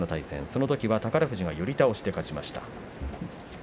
そのときは宝富士が寄り倒しで勝ちました。